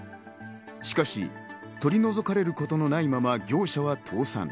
しかし取り除かれることのないまま業者は倒産。